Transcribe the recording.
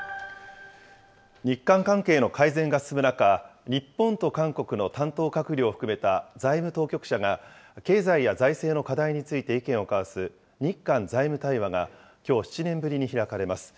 日韓関係の改善が進む中、日本と韓国の担当閣僚を含めた財務当局者が経済や財政の課題について意見を交わす日韓財務対話が、きょう、７年ぶりに開かれます。